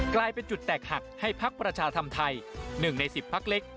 กลายเป็นจุดแตกหักให้พักประชาธรรมไทย๑ใน๑๐พักเล็ก